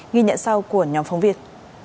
ghi nhận sau của nhóm phóng viên